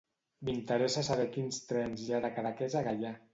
M'interessa saber quins trens hi ha de Cadaqués a Gaià.